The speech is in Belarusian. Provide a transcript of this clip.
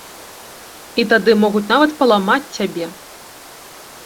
І тады могуць нават паламаць цябе.